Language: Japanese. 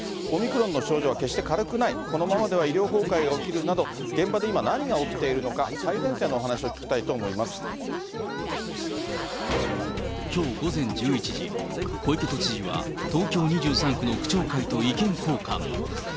オミクロンの症状は決して軽くない、このままでは医療崩壊が起きるなど、現場で今、何が起きているのか、最前線のお話を聞きたいきょう午前１１時、小池都知事は、東京２３区の区長会と意見交換。